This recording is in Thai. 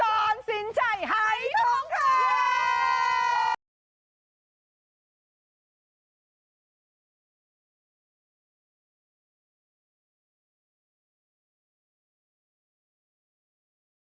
โปรดติดตามตอนต่อไป